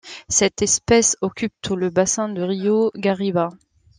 Cette espèce occupe tout le bassin du Rio Guariba.